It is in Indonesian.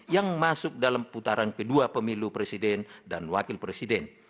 yang masuk dalam putaran kedua pemilu presiden dan wakil presiden